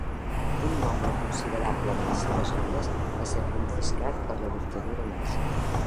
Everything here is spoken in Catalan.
Un nombre considerable de les seves obres va ser confiscat per la dictadura nazi.